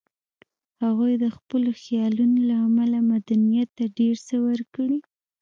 هغوی د خپلو خیالونو له امله مدنیت ته ډېر څه ورکړي